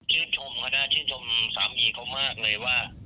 ชื่นชมค่ะนะชื่นชมสามีเขามากเลยว่า